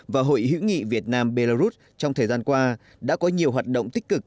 và hội hữu nghị việt nam belarus trong thời gian qua đã có nhiều hoạt động tích cực